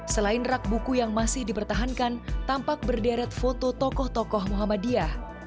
selain rak buku yang masih dipertahankan tampak berderet foto tokoh tokoh muhammadiyah